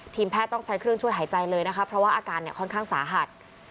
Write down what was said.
แพทย์ต้องใช้เครื่องช่วยหายใจเลยนะคะเพราะว่าอาการเนี่ยค่อนข้างสาหัส